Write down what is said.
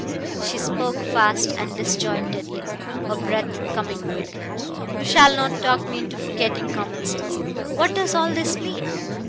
She spoke fast and disjointedly, her breath coming quick. "You shall not talk me into forgetting common sense. What does all this mean?